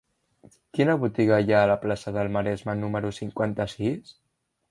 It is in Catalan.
Quina botiga hi ha a la plaça del Maresme número cinquanta-sis?